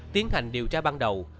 tiến hành điều tra ban đầu